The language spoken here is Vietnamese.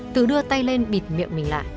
tự đưa tay lên bịt miệng mình lạ